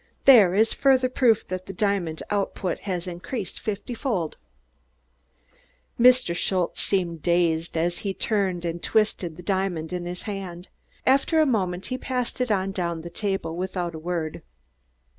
"There is further proof that the diamond output has increased fiftyfold." Mr. Schultze seemed dazed as he turned and twisted the diamond in his hand. After a moment he passed it on down the table without a word.